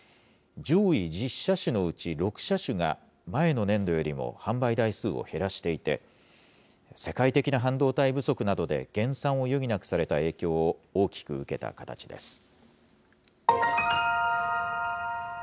上位１０車種のうち、６車種が前の年度よりも販売台数を減らしていて、世界的な半導体不足などで、減産を余儀なくされた影響を大きく受けた形です。